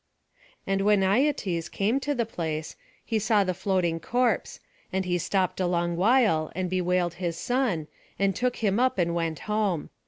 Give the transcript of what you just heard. And when Aietes came to the place, he saw the floating corpse; and he stopped a long while, and bewailed his son, and took him up, and went home.